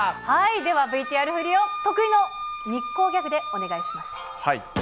では、ＶＴＲの振りを得意の日光ギャグでお願いします。